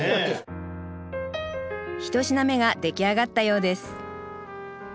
一品目が出来上がったようです